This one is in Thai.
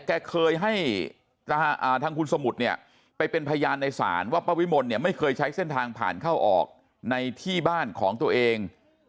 แกเคยให้ทางคุณสมุทรเนี่ยไปเป็นพยานในศาลว่าป้าวิมลเนี่ยไม่เคยใช้เส้นทางผ่านเข้าออกในที่บ้านของตัวเอง